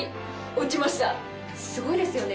すごいですよね